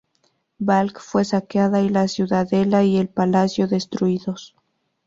Balj fue saqueada y la ciudadela y el palacio destruidos.